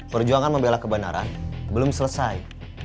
perjuangan membela kebenaran belum selesai